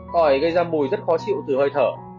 khỏi gây ra mùi rất khó chịu từ hơi thở